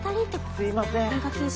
すいません